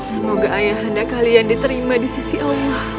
semoga ayah anda kalian diterima di sisi allah